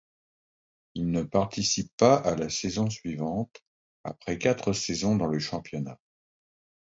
Il ne participe pas à la saison suivante, après quatre saisons dans le championnat.